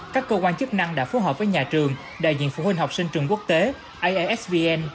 các cơ quan chức năng đã phối hợp với nhà trường đại diện phụ huynh học sinh trường quốc tế aisvn